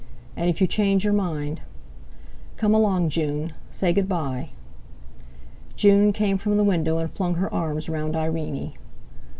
And if you change your mind...! Come along, June; say good bye." June came from the window and flung her arms round Irene.